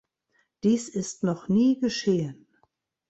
Dies ist noch nie geschehen.